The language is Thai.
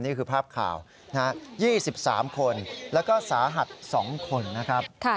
นี่คือภาพข่าว๒๓คนแล้วก็สาหัส๒คนนะครับ